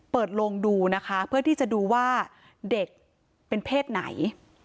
โลงดูนะคะเพื่อที่จะดูว่าเด็กเป็นเพศไหน